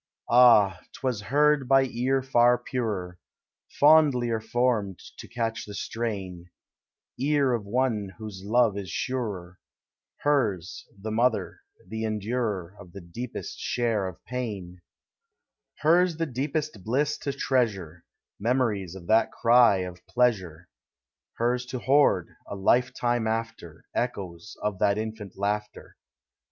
Ah ! 't was heard by ear far purer, Fondlier formed to catch the strain, — Ear of one whose love is surer,— Hers, the mother, the endurer Of the deepest share of pain; ABOUT CHILDREN. 39 Hers the deepest bliss to treasure Memories of that cry of pleasure, Hers to hoard, a lifetime after, Echoes of that infant laughter.